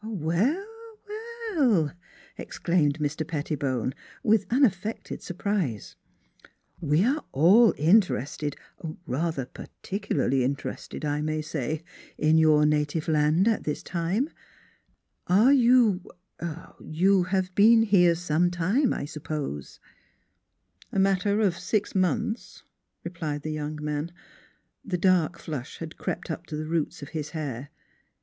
" Well, well !" exclaimed Mr. Pettibone, with unaffected surprise. " We are all interested rather particularly interested, I may say in your native land at this time. Are you er you have been here some time, I suppose?" NEIGHBORS 107 " A matter of six months," replied the young man. The dark flush had crept up to the roots of his hair.